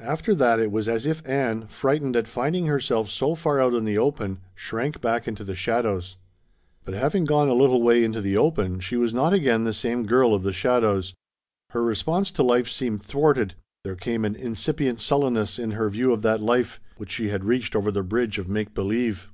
After that it was as if Ann, frightened at finding herself so far out in the open, shrank back into the shadows. But having gone a little way into the open she was not again the same girl of the shadows. Her response to life seeming thwarted, there came an incipient sullenness in her view of that life which she had reached over the bridge of make believe.